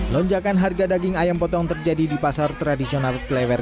lonjakan harga daging ayam potong terjadi di pasar tradisional klewer